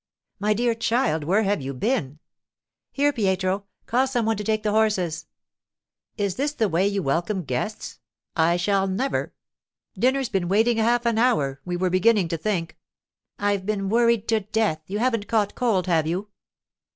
'My dear child! Where have you been?' 'Here, Pietro; call some one to take the horses.' 'Is this the way you welcome guests? I shall never——' 'Dinner's been waiting half an hour. We were beginning to think——' 'I've been worried to death! You haven't caught cold, have you?